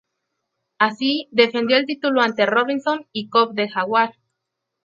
Así, defendió el título ante Robinson y Cobb de Jaguar.